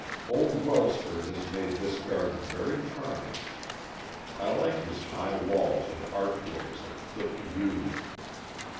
Old Welsford has made this garden very charming. I like his high walls and archways of clipped yew.